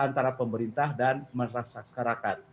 antara pemerintah dan masyarakat